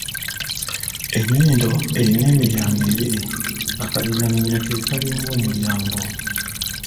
Ennyindo erina emiryango ebiri, akalindaminyira ke kalinga omulyango.